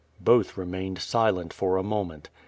Both remained silent for a moment.